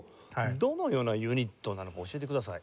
どのようなユニットなのか教えてください。